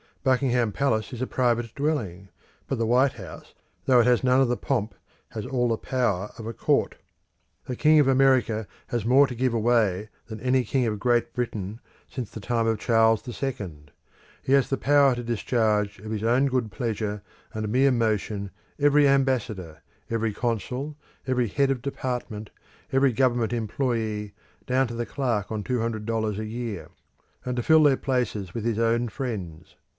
Buckingham Palace is a private dwelling; but the White House, though it has none of the pomp, has all the power of a Court. The king of America has more to give away than any king of Great Britain since the time of Charles the Second. He has the power to discharge of his own good pleasure and mere motion every ambassador, every consul, every head of department, every government employé, down to the clerk on two hundred dollars a year, and to fill their places with his own friends.